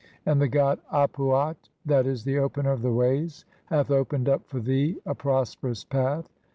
"And the god Ap uat (7. e., the Opener of the ways) "hath opened up for thee a prosperous path.